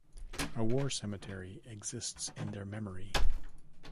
A war cemetery exists in their memory.